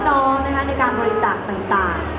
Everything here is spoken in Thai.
ในการบริษัทต่าง